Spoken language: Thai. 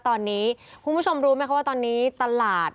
ตอนนี้คุณผู้ชมรู้ไหมคะว่าตอนนี้ตลาด